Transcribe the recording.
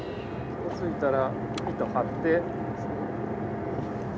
底着いたら糸張って。